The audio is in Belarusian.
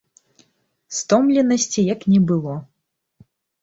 Стомленасці як не было.